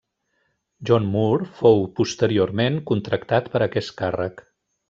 John Moore fou posteriorment contractat per a aquest càrrec.